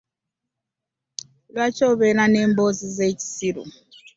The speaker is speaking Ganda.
Lwaki obeera n'emboozi z'ekisiru?